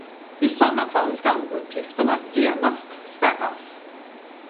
I sådana fall ska uppgifterna genast spärras.